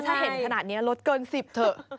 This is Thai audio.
ถ้าเห็นขนาดนี้ลดเกิน๑๐เถอะ